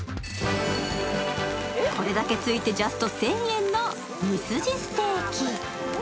これだけついてジャスト１０００円のミスジステーキ。